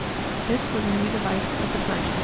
[] This was a new device of the clergy.